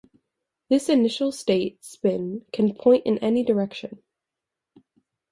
This initial state spin can point in any direction.